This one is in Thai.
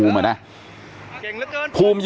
เฮ้ยเฮ้ย